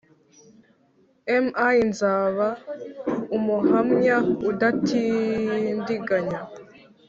Ml nzaba umuhamya udatindiganya